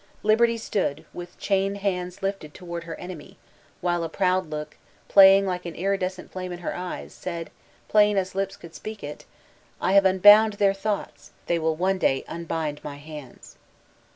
Liberty stood widi chained hands lifted toward her enemy, while a proud look, idaying like an iridescent flame in her eyes, said, plain as lips could speak it, ''I have unbound tibdt thoughts ; they will one day unbmd my hands."